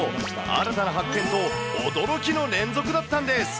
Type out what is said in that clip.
新たな発見と驚きの連続だったんです。